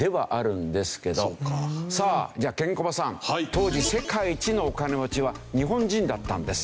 当時世界一のお金持ちは日本人だったんです。